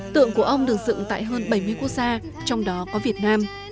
tượng của ông được dựng tại hơn bảy mươi quốc gia trong đó có việt nam